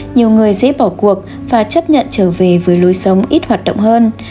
nhiều người dễ bỏ cuộc và chấp nhận trở về với lối sống ít hoạt động hơn